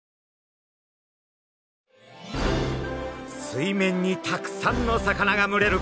水面にたくさんの魚が群れる